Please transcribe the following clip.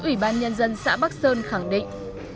ủy ban nhân dân xã bắc sơn khẳng định